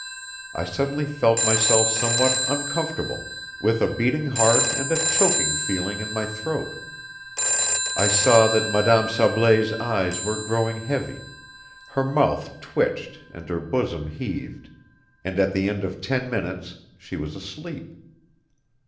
I suddenly felt myself somewhat uncomfortable, with a beating heart and a choking feeling in my throat. I saw that Madame Sablé's eyes were growing heavy, her mouth twitched and her bosom heaved, and at the end of ten minutes she was asleep.